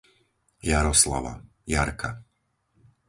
Jaroslava, Jarka